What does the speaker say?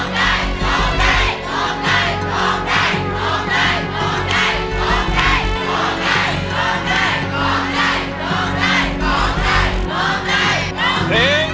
๒ภูราค่า๑๐๐๐๐บาทคุณต้มจืดร้อง